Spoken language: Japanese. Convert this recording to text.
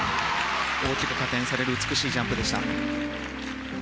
大きく加点される美しいフリップでした。